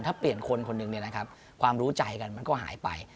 ถ้าเปลี่ยนคนคนหนึ่งเนี่ยนะครับความรู้ใจกันมันก็หายไป